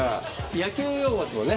野球用語ですもんね。